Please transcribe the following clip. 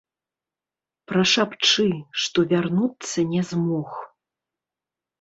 Прашапчы, што вярнуцца не змог.